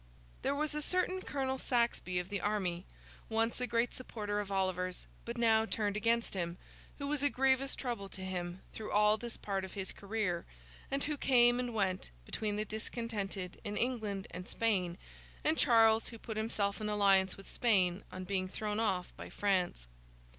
There was a certain Colonel Saxby of the army, once a great supporter of Oliver's but now turned against him, who was a grievous trouble to him through all this part of his career; and who came and went between the discontented in England and Spain, and Charles who put himself in alliance with Spain on being thrown off by France.